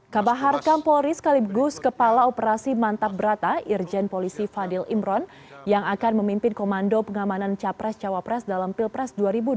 kabaharkam polri sekaligus kepala operasi mantap berata irjen polisi fadil imron yang akan memimpin komando pengamanan capres cawapres dalam pilpres dua ribu dua puluh